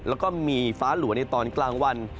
แล้วก็มีฟ้าหลัวในตอนกลางวัน